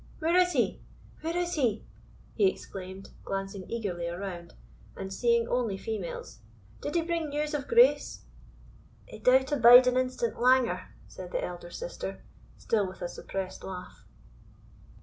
"Where is he? where is he!" he exclaimed, glancing eagerly around, and seeing only females; "Did he bring news of Grace?" "He doughtna bide an instant langer," said the elder sister, still with a suppressed laugh.